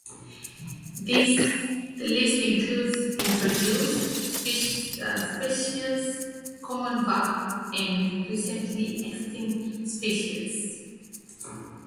The list includes introduced species, common vagrants and recently extinct species.